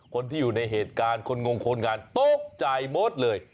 คนที่อยู่ในเหตุการณ์คนงงคนงานตกใจหมดเลย